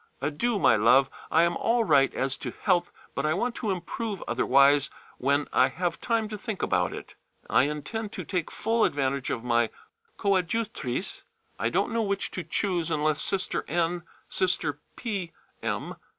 Adieu, my love, I am all right as to health, but I want to improve otherwise when I have time to think about it. I intend to take full advantage of my co adjutrice. I don't know which to choose unless Sister N. Sister P. M.